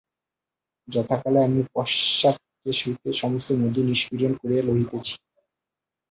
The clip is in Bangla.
যথাকালে আমি পশ্চাদ্দেশ হইতে সমস্ত মধু নিষ্পীড়ন করিয়া লইতেছি।